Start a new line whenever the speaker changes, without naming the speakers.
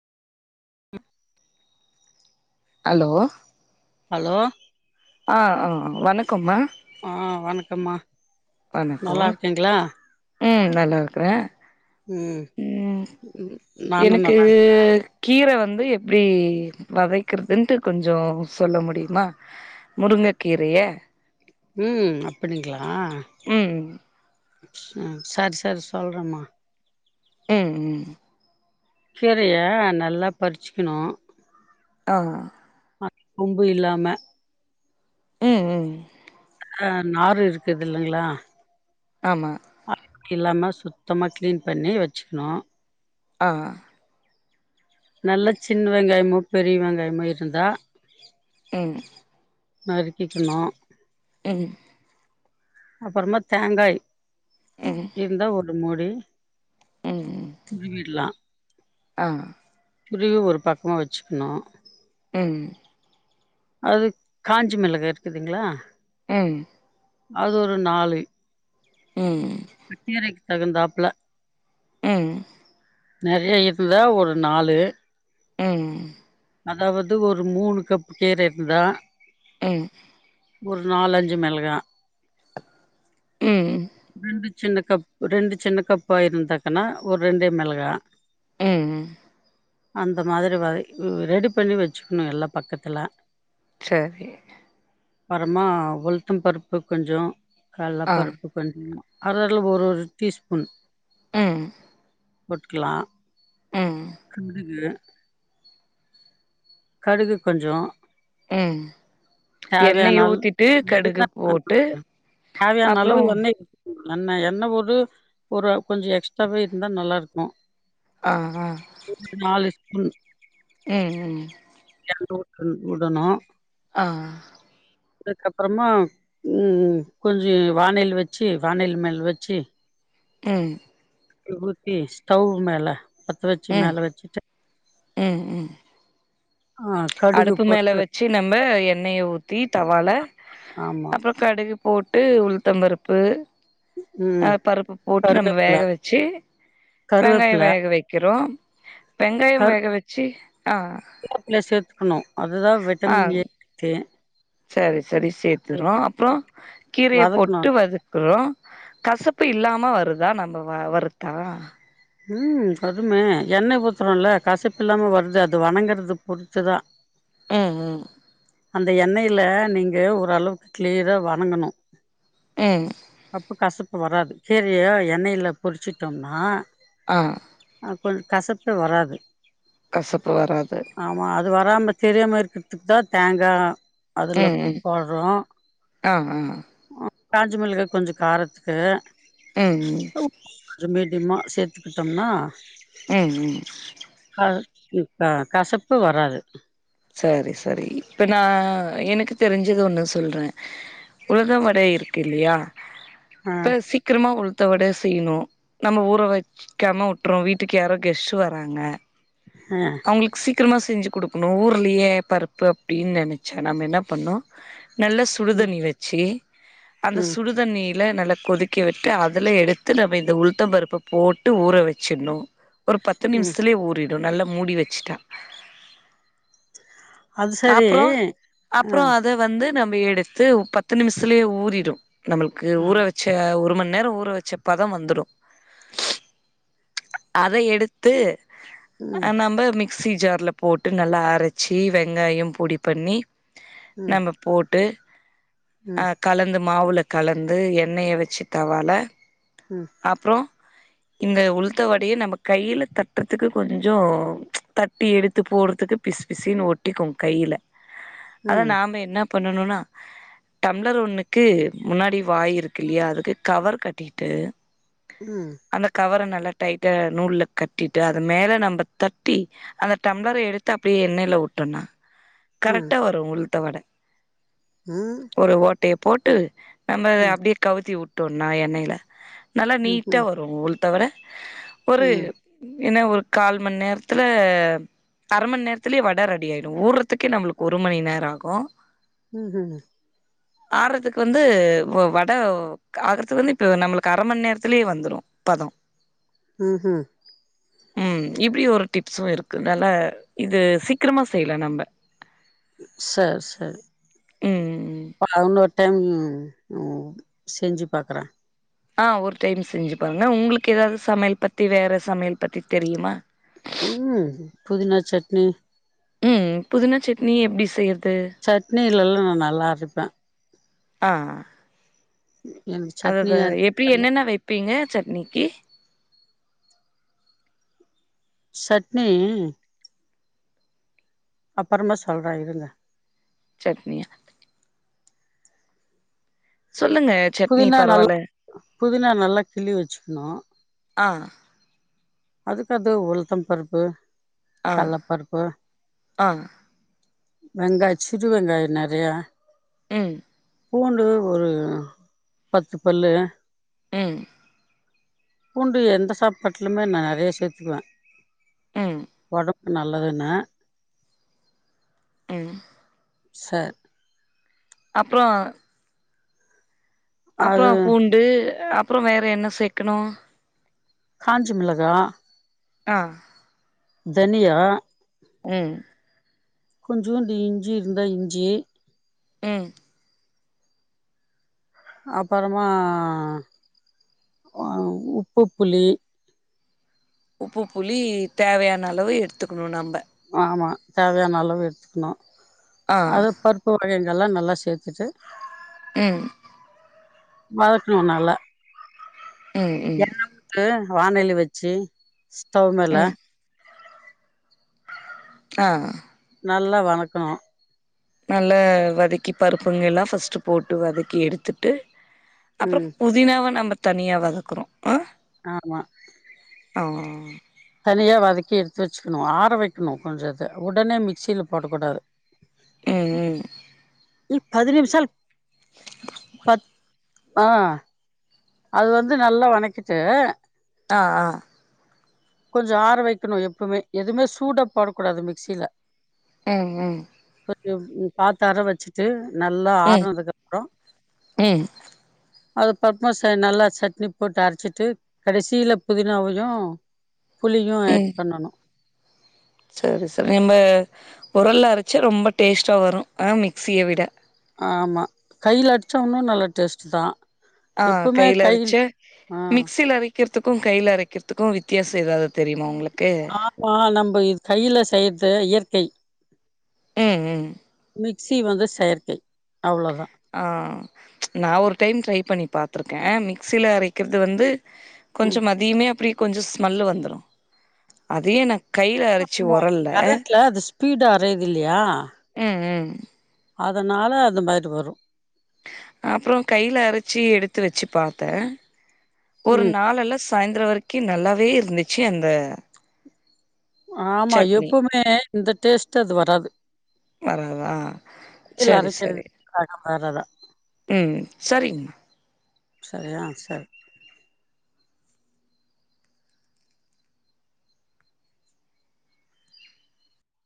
ம்
hello
hello
ஆஹ் ஆஹ் வணக்கம்மா
ஆஹ் வணக்கம்மா நல்லா இருக்கீங்ளா
உம் நல்லா இருக்குறே உம்
ம் நானு
எனக்கு
நல்லா
கீர வந் து எப்டி வதைக்கர்துன்ட்டு கொஞ்சொ சொல்ல முடியுமா முருங்கக்கீரைய
உம் அப்டிங்ளா
ம்
அஹ் சரி சரி சொல்றேமா
உம் உம்
கீரைய நல்லா பறிச்க்கணு
ஆஹ்
கொம்பு இல்லாம
உம் உம்
ஆஹ் நாறு இருக்குது இல்லைங்ளா
ஆமா
அழுக்கு இல்லாம சுத்தமா க்ளீன் பண்ணி வச்சுக்ணு
ஆஹ்
நல்ல சின் வெங்காயமு பெரிய வெங்காயமு இருந்தா
ம்
நறுக்கிக்கணு
உம்
அப்பறமா தேங்காய்
ம்
இருந்தா ஒரு மூடி துருகிட்லா
ஆஹ்
துருவி ஒரு பக்கமா வச்சுக்ணு
உம்
அது காஞ்சி மிளகா இருக்குதுங்ளா
உம்
அது ஒரு நாலு
உம்
தகுந்தாப்ல
உம்
நெறைய இருந்தா ஒரு நாலு
உம்
அதாவது ஒரு மூணு கப் கேரேட் தா
ம்
ஒரு நாலஞ்சு மெளகா
உம்
ரெண்டு சின்ன கப் ரெண்டு சின்ன கப்பா இருந்தாக்கன்னா ஒரு ரெண்டே மெளகா
உம் ம்
அந்த மாதிரி வ ரெடி பண்ணி வச்சுக்கணு எல்லா பக்கத்துல
செரி
அப்பறமா உளுத்தம் பருப்பு கொஞ்சோ கள்ள
ஆ
பருப் அதுல ஒரு ஒரு டீஸ்பூன்
உம்
போட்டுக்கிலா கடுகு கடுகு கொஞ்சோ
உம்
தேவயானால்
போட்டு
[unintelligible] தேவயான
அப்றோ
அளவு எண்ணெய் எண்ணெ எண்ணெ உடு ஒரு கொஞ்ச எக்ஸ்ட்ராவே இருந்தா நல்லா இருக்கு
ஆ
நாளு உம்
உம் உம்
[unintelligible] வுடணு
ஆஹ்
அதுக்கப்றமா உம் கொஞ்சு வானைல வச்சு வானல மேல வச்சு
உம்
எண்ணெ ஊத்தி ஸ்டவ் மேல பத்த வச்சு மேல வச்சுட்டு
உம் உம்
ஆ கடுகு
அடுப்பு மேல
போட்டு
வச்சு நம்ம எண்ணெய ஊத் த்தி தவால
ஆமா.
அப்ற கடுகு போட் டு உளுத்தம் பருப்பு
ம்
அ பருப்பு போட்டு நம்ம
கருவேப்பில
வேக வச்சு வெங்காயோ
கருவேப்பில
வேக வெக்கிறோ வெங்காயம் வேக வச்சி
கொய்யாபழ சேத்துக்கணு அதுதா
ஆ
விட்டமின் ஏ இருக்கு
சரி சரி சேத்துக்றோ, அப்றோ கீரைய
வதக்கணும்.
போட்டு வதக்குறோ கசப்பு இல்லாம வருதா நம்ப வ வருத்தா
ம் வதுமே எண்ணெ ஊத்துரோலே கசப்பில்லாம வர்தே அது வணங்கரதா பொறுத்துதா
ம் ம்
அந்த எண்ணெயிலே நீங்கே ஓரளவு க்ளீறா வணங்கணோ
ம்
அப்ப கசப் வராது கீரையே எண்ணெயிலே பொரிச்சிட்டோம்னா
ஆ
ம் கசப்பே வராது
கசப்பு வராது
து வராம தெரியாமரிக்கித்துக்தா தேங்கா அதுல
ம் ம்
போட்றோ
ஆ ஆ ம்
ஆ காஞ்ச மொளுகா கொஞ்ச காரத்துக்கு
ஆ
திம்மா செர் தோம்னா
ஆ ம்
இப்பே கசப்பு வராது
செரி செரி இப்ப நா எனக்கு தெரிஞ்சது ஒண்ணு சொல்றே உளுக வடை இருக்கில்லியா
ஆ
பே சீக்கிரமா உ பாத்தவுட செய்யணும் நம்ம ஊற வைக்காம வுட்டுறோம் வீட்டுக்கு யாராவது கெஸ்ட்ட் வராங்க
ஆ
அவுங்களுக்கு சீக்கிரமா செஞ்சு குடுக்கணும் ஊர் பெரிய பருப்பு அப்பிடின்னு நினைச்ச நம்ம என்ன பண்ணோ நல்லா
ம்
சுடுதண்ணி வச்சு அந்த
ம்
சுடுதண்ணியில நல்லா கொதிக்க விட்டு அதுல எடுத்து நம்ம இந்த உளுத்தபருப்பு போட்டு ஊற வச்சிடணும் ஒரு பத்து
ம்
நிமிஷமலேய ஊரிடு நல்லா மூடி வச்சுிட்டான்
அது சரி
அப்பறம்
ஆ
அப்பறம் அத வந்து நம்ம எடுத்து பத்து நிமிஷத்துலேயே ஊறிடும் நம்மளுக்கு
ஆ
ஊற
ம்
வச்ச ஒருமண் நேரம் ஊற வச்ச பதம் வந்துடும் அத எடுத்து
ம்
ஆ் நம்ப மி மிக்சி ஜார்ல போட்டு நல்லா அரச் சி வெங்காய பொடி பண்ணி
ம்
நம்ம போட்டு அ
ம்
கலந்து மாவுள கலந்து எண்ணெயை வச்சு தவால
ம்
அப்புறம் இந்த உளு்தவடையை நம்ம கையில தட்டுறதுக்கு கொஞ்சம் தட்டி எடுத்து போடுறதுக்கு பிசு பிசனு ஒட்டிக்கும் கையில்ல அதா
ம்
நாம என்ன பண்ணணும்னா டம்ளர் ஒண்ணுக்கு முன்னாடி வாய் இருக்கு இல்லையா அதுக்கு கவர் கட்டிட்டு அந்த கவர ந நல்ல டைட்டா நூல்ல கட்டிட்டு அத மேல நம்ம தட்டி அந்த டம்ளர் எடுத் அப்படிய எண்ணெய்ல விட்டோனா கரெக்டா வரும் உங்க ட்ட வடை
ஆ
டேப் போட்டு நம்ம அப்டியே கவுத்தி வுட் ட்டோன்னா எண்ணெயில நல்லா நீட்டா
ம்ஹூம்
வரும் உள் த்தொவர ஒரு
ம்
ம் ஏன்னா ஒரு கால் மன் நேரத்துல அரை மன் நேரத்துலயே வட ரெடி ஆயிடும் ஊர் றத்துக்கே நம்முளுக்கு ஒரு மணி நேரம் ஆகும்
ம்ஹும்
ஆர்றதுக்கு வந்து ஒ வட ஆகுறதுக்கு வந்து இப்ப நம்ளுக்கு அரை மன் நேரத்துலயே வந்துரும் பதம்
ம்ஹும்
ம் இப்டி ஒரு டிப்ஸும் இருக்கு நல்லா இது சீக்கிரமா செய்யலாம் நம்ம
சர் சர்
ம்
பன டெம் ஓ செஞ்சு பாக்குறே
ஆ ஒரு டைம் செஞ்சு பாருங்க உங்களுக்கு ஏதாவது சமையல் பத்தி வேற சமையல் பத்தி தெரியுமா
ம் புதினா சட்னி
ம் புதினா சட்னி எப்டி செய்ய
சட்னில எல்லா நா நல்லா அரைப்ப
ஆ
எனக்கு சட்னி
அததா
அது
எப்டி என்னென்ன வெப்பிங்க சட்னிக்கு
சட்னி அப்றமா சொல்றே இருங்க
சட்னி சொல்லுங்க சட்னி
குதினா நல்ல
பரவால்ல
புதினா நல்லா கிள்ளி வச்சுக்ணூ
ஆ
அதுக்கு அது உளுத்தம் பருப்பு
ஆ
கல்லப்பருப்பு
ஆ
வெங்காய் சிறு வெங்காய நறையா
ம்
பூண்டு ஒரு பத்து பல்லு
ம்
பூண்டு எந்த சாப்பாட்டுலுமே நா நெறைய சேத்துக்வே
ம்
வடு நல்லதுன்னு
ம்
ச
அப்றோ அப்றோ
அது
பூண்டு அப் ப்றோ வேற என்ன சேக்கணூ
காஞ்சி மிளகா
ஆ
தனியா
ம்
கொஞ்சோன்டு இஞ்சி இருந்தா இஞ்சி
ம்
அப்றமா ஆ உப்பு புளி
உப்பு புளி தேவையானளவு எடுத்துக்ணூ நம்ம
ஆமா தேவையான அளவு எடுத்துக்ணூ
ஆ
அது பருப்பு வகை இதெல்லா நல்லா சேத்துட்டு
ம்
வதக்ணூ நல்லா
ம் ம்
எண்ணெ விட்டு வானலி வச்சி ஸ்டவ் மேல
ம் ஆ
நல்லா வணக்கணூ
நல்லா வதக்கி பருப்புங்க எல்லா ஃபஸ்ட்டு போட்டு வதக்கி எடுத்துட்டு அப்றோ
ம்
புதினாவ நம்ம தனியா வதக்றோ ஆ
ஆமா
ஓ
தனியா வதக்கி எடுத்து வச்சுக்ணூ ஆற வெக்ணூ கொஞ்சோ இத உடனே மிக்சில போடக் கூடாது
உம் உம்
இ பதி நிமிஷால் பத் ஆஹ் அது வந்து நல்லா வணக்கிட்டு
ஆஹ் ஆஹ்
கொஞ்சோ ஆற வெக்கணு எப்புமே எதுமே சூடா போடக்கூடாது மிக்சில
ஹம் ஹம்
காத்தார வெச்சுட்டு நல்லா
ம்
ஆறுனதுக்கு அப்புறோ
ம்
அது பமா நல்லா சட்னி போட்டு அரைச்சிட்டு கடைசியில புதினாவையு புளியு ஆட்
ம்
பண்ணணு
சரி சரி நம்ம உரல்ல அரைச்சா ரொம்ப டேஸ்ட்ட வரு ஆ மிக்ஸியை விட
ஆமா கையில அடிச்சோன்னாலூ நல்ல டேஸ்ட்டுதா
ஆஹ் கையில அரிச்சு
ஆ
மிக்சில அரிக்கிறது த்துக்கும் கையையில அரைக்கிறதுக்கு வித்தியாம் எதாவது தெரியுமா உங்களுக்கு
ஆமா நம்ம இது கையில செய்யறது இயற் கை
உம் உம்
மிக்சி வந்து செயற்கை அவ்ளோதா
ஆஹ் ப்ச் நா ஒரு டைம் ட்ரை பண்ணி பாத்திருக்க மிக்சியில அரைக்கிறது வந்து கொஞ்சோ
ம்
மதியமே அப்படி கொஞ்சோ ஸ்மெல் வந்துரு அதையு நா கையில அரச்சு
ஆமா
ஒரல்ல
கரண்ட்ல அது ஸ்பீடா அரையது இல்லையா
ம் ம்
அதனால அது மாதிரி வரு
அப்புறோ கையில அரச்சு எடுத்து வெச்சு பாத்த ஒரு
ம்
நாளெல்லா சாயந்திரோ வரைக்கு நல்லாவே இருந்துச்சு அந்த
ஆமா
சட்னி
எப்வுமே இந்த டேஸ்ட் அது வராது
வராதா
மிக்ஸில
சரி
அரைக்கிறது
சரி
ரகம் வேற தான்.
உம் சரிங்கமா
சரியா சரி